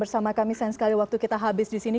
bersama kami sayang sekali waktu kita habis di sini